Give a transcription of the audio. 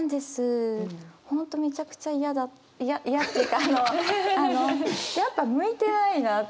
本当にめちゃくちゃ嫌だ嫌っていうかあのやっぱ向いてないなって。